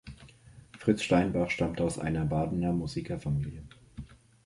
Fritz Steinbach stammte aus einer Badener Musikerfamilie.